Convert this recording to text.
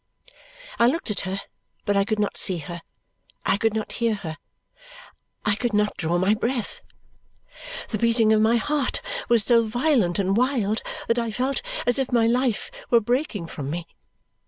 I looked at her, but I could not see her, I could not hear her, I could not draw my breath. The beating of my heart was so violent and wild that I felt as if my life were breaking from me.